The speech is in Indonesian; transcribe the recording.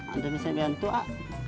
manta misalnya biar itu pak